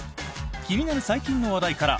気になる最近の話題から。